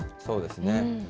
そうですね。